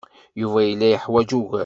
Yuba yella yeḥwaj ugar.